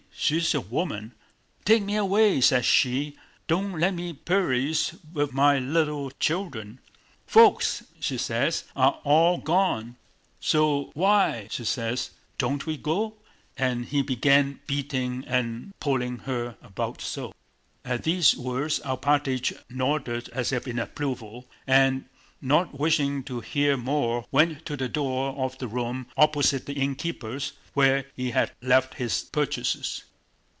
She's a woman! 'Take me away,' says she, 'don't let me perish with my little children! Folks,' she says, 'are all gone, so why,' she says, 'don't we go?' And he began beating and pulling her about so!" At these words Alpátych nodded as if in approval, and not wishing to hear more went to the door of the room opposite the innkeeper's, where he had left his purchases.